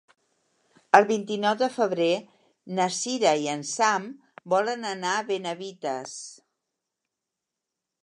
El vint-i-nou de febrer na Sira i en Sam volen anar a Benavites.